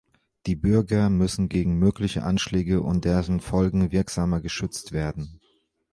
Die Bürger müssen gegen mögliche Anschläge und deren Folgen wirksamer geschützt werden.